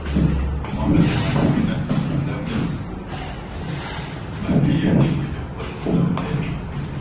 kwa mwaka themanini na tatu labda kumbukumbu iliyobakia ni ile kupoteza wenzetu